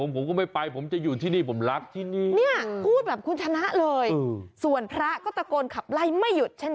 เหมือนคุณชนะพูดเลย